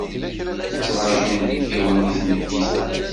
Nettṛaju inebgiwen i tmeddit-a.